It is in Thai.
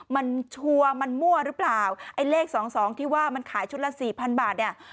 มันชัวร์มันมั่วหรือเปล่าไอ้เลขสองสองที่ว่ามันขายชุดละสี่พันบาทเนี่ย